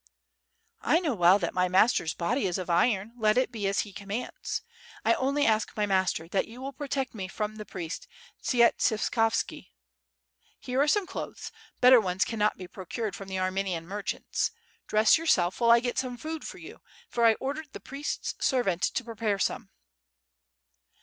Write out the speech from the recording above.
'' *'l know well that my master's body is of iron, let it be as he commands. I only ask, my master, that you will pro tect me from the priest, Tsietsiskovski ... Here are some clothes, better ones cannot be procured from the Armenian merchants. Dress yourself while 1 get some food for you, for I ordered the priest's servant to prepare some."